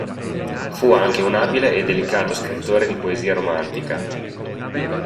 Fu anche un abile e delicato scrittore di poesia romantica.